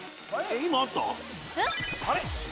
今あった？